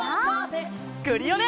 クリオネ！